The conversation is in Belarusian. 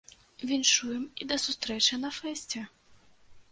Віншуем, і да сустрэчы на фэсце.